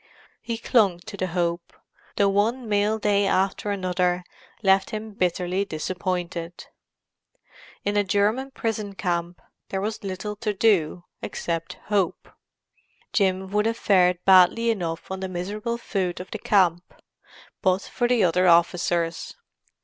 He clung to the hope though one mail day after another left him bitterly disappointed. In a German prison camp there was little to do except hope. Jim would have fared badly enough on the miserable food of the camp, but for the other officers.